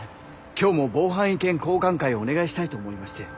今日も防犯意見交換会をお願いしたいと思いまして。